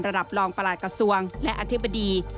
รองประหลาดกระทรวงและอธิบดี